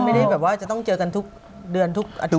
ไม่ได้แบบว่าจะต้องเจอกันทุกเดือนทุกอาทิตย